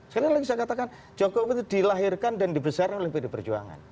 sekali lagi saya katakan jokowi itu dilahirkan dan dibesarkan oleh pd perjuangan